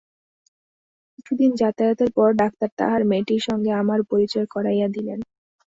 কিছুদিন যাতায়াতের পর ডাক্তার তাঁহার মেয়েটির সঙ্গে আমার পরিচয় করাইয়া দিলেন।